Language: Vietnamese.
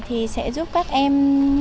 thì sẽ giúp các em